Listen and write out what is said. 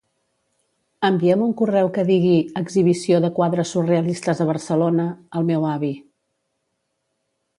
Envia'm un correu que digui "exhibició de quadres surrealistes a Barcelona" al meu avi.